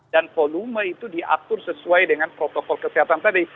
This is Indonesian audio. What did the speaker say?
dan volume itu diatur sesuai dengan protokol kesehatan tadi